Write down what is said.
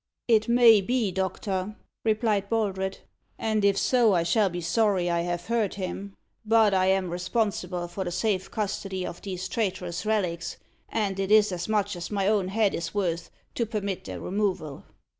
"It may be, doctor," replied Baldred; "and if so I shall be sorry I have hurt him. But I am responsible for the safe custody of these traitorous relics, and it is as much as my own head is worth to permit their removal."